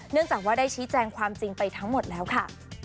จากว่าได้ชี้แจงความจริงไปทั้งหมดแล้วค่ะ